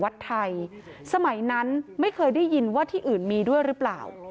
วัดไทยสมัยนั้นไม่เคยได้ยินว่าที่อื่นมีด้วยหรือเปล่า